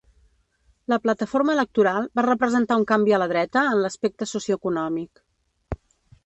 La plataforma electoral va representar un canvi a la dreta en l'aspecte socioeconòmic.